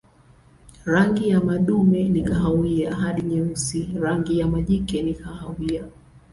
Rangi ya madume ni kahawia hadi nyeusi, rangi ya majike ni kahawia.